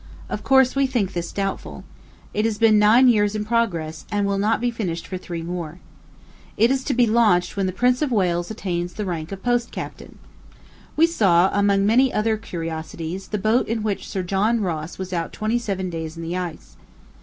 Of course, we think this doubtful. It has been nine years in progress, and will not be finished for three more. It is to be launched when the Prince of Wales attains the rank of post captain. We saw, among many other curiosities, the boat in which Sir John Ross was out twenty seven days in the ice.